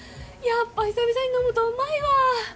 やっぱ久々に飲むとうまいわ。